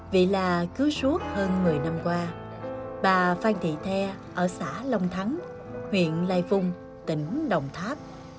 vì là cứu suốt hơn một mươi năm qua bà phan thị the ở xã long thắng huyện lai vung tỉnh đồng tháp